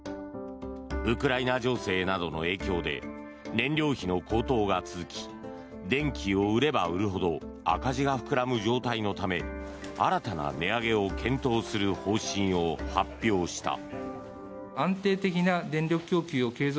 ウクライナ情勢などの影響で燃料費の高騰が続き電気を売れば売るほど赤字が膨らむ状態のため新たな値上げを検討する方針を発表した。